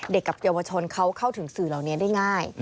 กับเยาวชนเขาเข้าถึงสื่อเหล่านี้ได้ง่าย